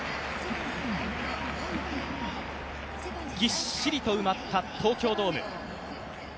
ぎっしりと埋まった東京ドーム。